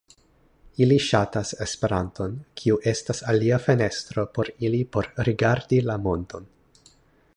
Ili ŝatas Esperanton, kiu estas alia fenestro por ili por rigardi la mondon.